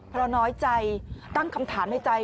เพราะน้อยใจตั้งคำถามในใจ